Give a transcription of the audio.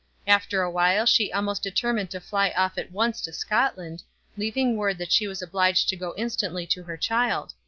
After a while she almost determined to fly off at once to Scotland, leaving word that she was obliged to go instantly to her child.